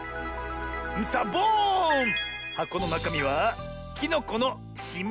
サボーン！はこのなかみはきのこの「しめじ」でした。